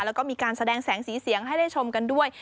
แล้วก็มีการแสดงแสงสีเสียงให้ได้ชมกันด้วย